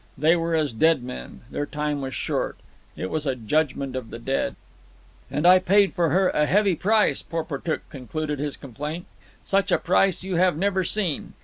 They were as dead men; their time was short. It was a judgment of the dead. "And I paid for her a heavy price," Porportuk concluded his complaint. "Such a price you have never seen.